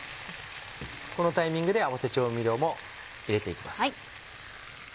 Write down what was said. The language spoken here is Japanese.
このタイミングで合わせ調味料も入れていきます。